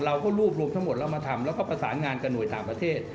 เราก็รวบรวมทั้งหมดแล้วมาทำแล้วก็ประสานงานกับหน่วยต่างประเทศ